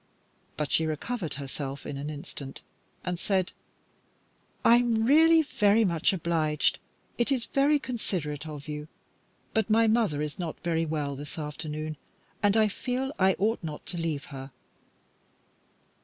But she recovered herself in an instant, and said "I'm really very much obliged. It is very considerate of you, but my mother is not very well this afternoon, and I feel that I ought not to leave her."